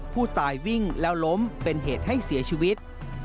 ผู้ตายวิ่งแล้วล้มเป็นเหตุให้เสียชีวิต